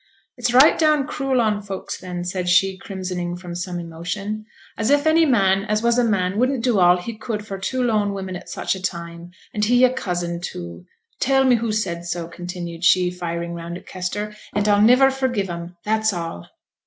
'It's right down cruel on folks, then,' said she, crimsoning from some emotion. 'As if any man as was a man wouldn't do all he could for two lone women at such a time and he a cousin, too! Tell me who said so,' continued she, firing round at Kester, 'and I'll niver forgive 'em that's all.'